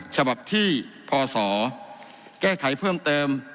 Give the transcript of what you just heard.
ฉบับที่พศแก้ไขเพิ่มเติม